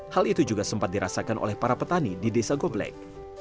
hal itu juga sempat dirasakan oleh para petani di desa gobleg